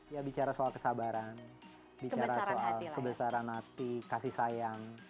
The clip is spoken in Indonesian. ya bicara soal kesabaran bicara soal kebesaran hati kasih sayang